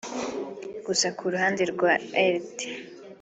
Gusa ku ruhande rwa Lt